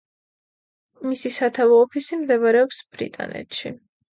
მისი სათავო ოფისი მდებარეობს ბრიტანეთში.